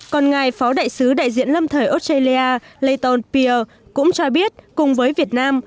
còn ngài phó đại sứ đại diện lâm thời australia leighton peer cũng cho biết cùng với việt nam